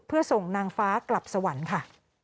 เพื่อส่งนางฟ้ากลับสวรรค์ค่ะ